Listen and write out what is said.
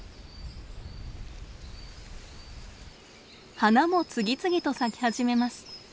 花も次々と咲き始めます。